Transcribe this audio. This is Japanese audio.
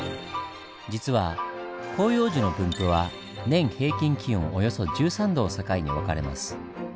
実は広葉樹の分布は年平均気温およそ１３℃を境に分かれます。